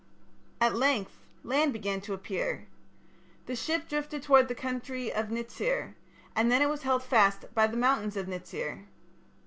"At length, land began to appear. The ship drifted towards the country of Nitsir, and then it was held fast by the mountain of Nitsir.